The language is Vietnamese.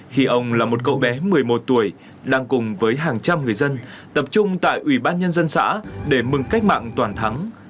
khi ông là một cậu bé một mươi một tuổi đang cùng với hàng trăm người dân tập trung tại ủy ban nhân dân xã để mừng cách mạng toàn thắng